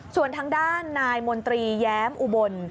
ส่วนทางด้านนายมนตรีแย้มอุบล